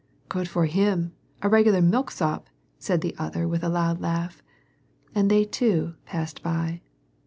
" Good for him, a regular milksop !"* said the other with a loud laugh. And they too passed by.